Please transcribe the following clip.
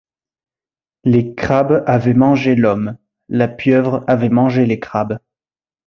Les crabes avaient mangé l’homme, la pieuvre avait mangé les crabes.